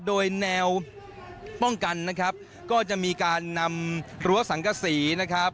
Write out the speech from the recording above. โดยแนวป้องกันนะครับก็จะมีการนำรั้วสังกษีนะครับ